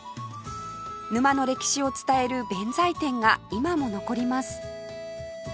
沼の歴史を伝える弁財天が今も残ります